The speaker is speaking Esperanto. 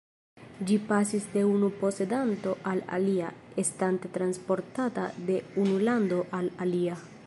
Ĝi pasis de unu posedanto al alia, estante transportata de unu lando al alia.